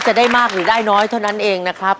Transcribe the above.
จะได้มากหรือได้น้อยเท่านั้นเองนะครับ